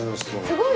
すごい。